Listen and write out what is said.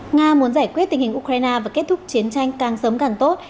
nga muốn giải quyết tình hình ukraine và kết thúc chiến tranh càng sớm càng tốt